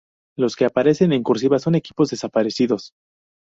Los que aparecen en "cursiva" son equipos desaparecidos.